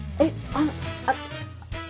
あっあっ。